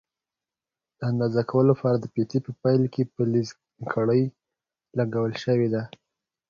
د اندازه کولو لپاره د فیتې په پیل کې فلزي کړۍ لګول شوې ده.